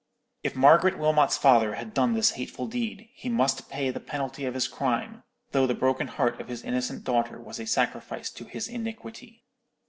"If Margaret Wilmot's father had done this hateful deed, he must pay the penalty of his crime, though the broken heart of his innocent daughter was a sacrifice to his iniquity.